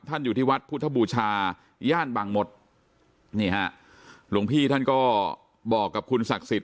อยู่ที่วัดพุทธบูชาย่านบางมศนี่ฮะหลวงพี่ท่านก็บอกกับคุณศักดิ์สิทธิ